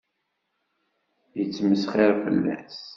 Yettmesxiṛ fell-as.